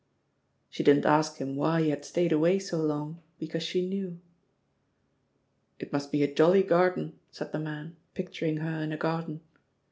She didn't ask him why he had stayed away so long, because she knew. "It must be a jolly garden," said the man, pic turing her in a garden.